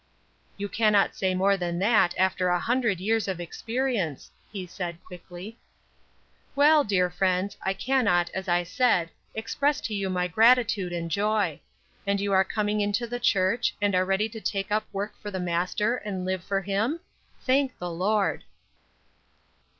"You cannot say more than that after a hundred years of experience," he said, quickly. "Well, dear friends, I cannot, as I said, express to you my gratitude and joy. And you are coming into the church, and are ready to take up work for the Master, and live for him? Thank the Lord."